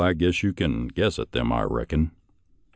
Oh, you can guess at them, I reckon